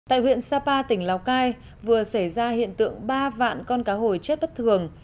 tại huyện sapa tỉnh lào cai vừa xảy ra hiện tượng ba vạn con cá hồi chết bất thường